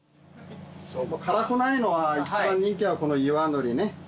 辛くないのは一番人気はこの岩のりね。